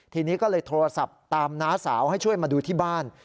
ทีนี้ก็เลยโทรศัพท์ตามน้าสาวให้ช่วยมาดูที่บ้าน